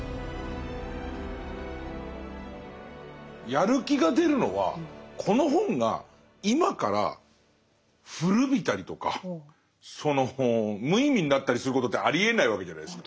やる気が出るのはこの本が今から古びたりとかその無意味になったりすることってありえないわけじゃないですか。